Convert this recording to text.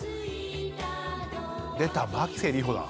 でた牧瀬里穂だ。